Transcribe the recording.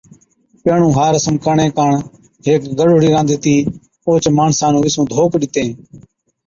پيھڻُون ھا رسم ڪرڻي ڪاڻ ھيڪ گڏوڙھِي رانڌتِي اوھچ ماڻسا نُون وِسُونچ ڌوڪ ڏِتين